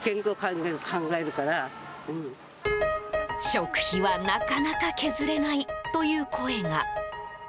食費はなかなか削れないという声が。